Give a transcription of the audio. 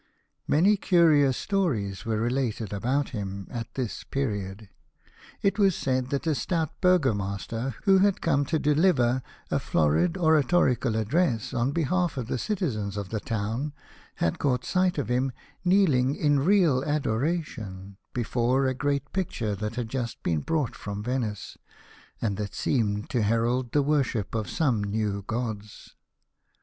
Many curious stories were related about him at this period. It was said that a stout Burgo master, who had come to deliver a florid ora torical address on behalf of the citizens of the town, had caught sight of him kneeling in real adoration before a great picture that had just been brought from Venice, and that seemed to herald the worship of some new gods.